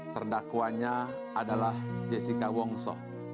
terdakuannya adalah jessica wongso